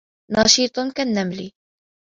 نشيط كالنمل.